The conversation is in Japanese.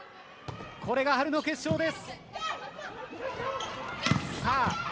これが春の決勝です。